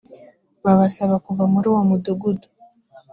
babasaba kuva muri uwo mudugudu